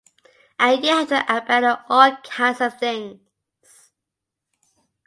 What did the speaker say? And you have to abandon all kinds of things.